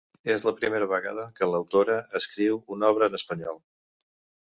És la primera vegada que l’autora escriu una obra en espanyol.